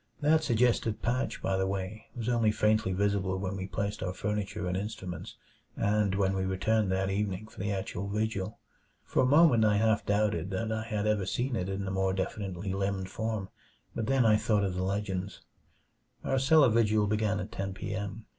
That suggestive patch, by the way, was only faintly visible when we placed our furniture and instruments, and when we returned that evening for the actual vigil. For a moment I half doubted that I had ever seen it in the more definitely limned form but then I thought of the legends. Our cellar vigil began at ten p. m.